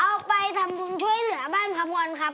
เอาไปทำภูมิช่วยเหลือบ้านครับคุณครับ